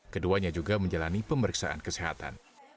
keduanya juga menjalani pemeriksaan kesehatan